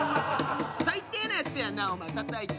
最低なやつやなお前たたいて。